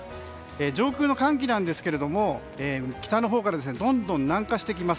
上空の寒気ですが北のほうからどんどん南下してきます。